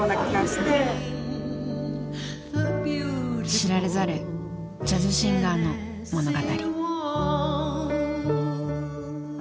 知られざるジャズシンガーの物語。